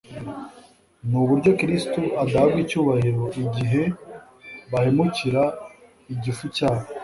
nuburyo Kristo adahabwa icyubahiro igihe bahemukira igifu cyabo